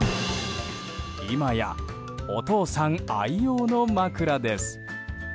今やお父さん愛用の枕です。